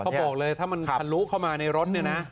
เขาบอกเลยถ้ามันทะลุเข้ามาในรถเนี่ยนะ